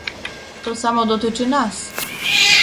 To samo dotyczy nas